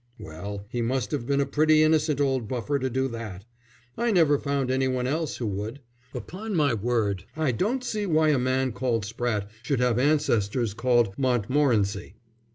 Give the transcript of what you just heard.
"Well, he must have been a pretty innocent old buffer to do that. I never found any one else who would. Upon my word, I don't see why a man called Spratte should have ancestors called Montmorency."